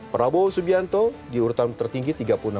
prabowo subianto di urutan tertinggi tiga puluh enam